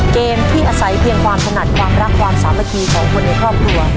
เกมที่อาศัยเพียงความถนัดความรักความสามัคคีของคนในครอบครัว